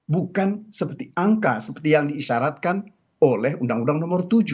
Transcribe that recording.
bukan seperti angka seperti yang diisyaratkan oleh undang undang nomor tujuh